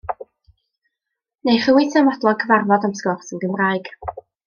Neu rhywun sa'n fodlon cyfarfod am sgwrs yn Gymraeg?